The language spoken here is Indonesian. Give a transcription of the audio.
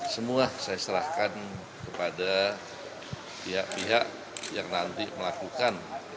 semua saya serahkan kepada pihak pihak yang nanti melakukan